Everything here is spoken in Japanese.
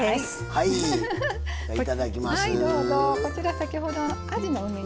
はい。